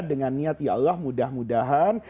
dengan niat ya allah mudah mudahan